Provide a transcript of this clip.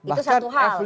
bahkan f lima belas pun